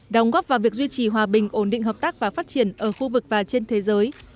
đóng góp vào việc duy trì hòa bình ổn định hợp tác và phát triển ở khu vực và trên thế giới